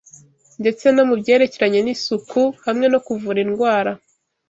ndetse no mu byerekeranye n’isuku hamwe no kuvura indwara